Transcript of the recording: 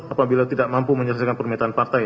apabila tidak mampu menyelesaikan permintaan partai